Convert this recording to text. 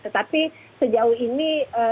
tetapi sejauh ini